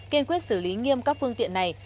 kiên quyết xử lý nghiêm các phương tiện này